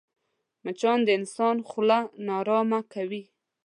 مچان د انسان خوله ناارامه کوي